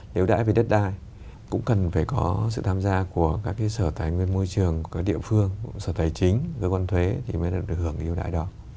cái ưu đãi về đất đai cũng cần phải có sự tham gia của các sở tài nguyên môi trường các địa phương sở tài chính cơ quan thuế thì mới được hưởng cái ưu đãi đó